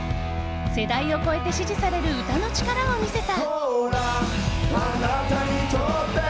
世代を超えて支持される歌の力を見せた。